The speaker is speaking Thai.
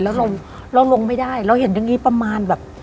แล้วเราลงไม่ได้เราเห็นอย่างนี้ประมาณแบบ